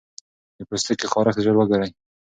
د پوستکي خارښت ژر وګورئ.